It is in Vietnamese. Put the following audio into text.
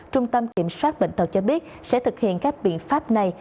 trung tâm kiểm soát bệnh tật cho biết sẽ thực hiện các biện pháp này